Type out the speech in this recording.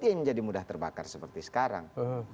ya ini jadi mudah terbakar seperti sekarang